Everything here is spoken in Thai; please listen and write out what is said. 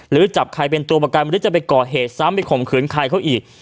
หรือจับใครเป็นตัวประกันหรือจะไปก่อเหตุซ้ำไปข่มขืนใครเขาอีก